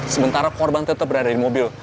sementara korban tetap berada di mobil